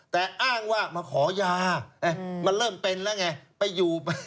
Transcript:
แต่อ้างว่ามาขอยามันเริ่มเป็นแล้วไงไปอยู่ไป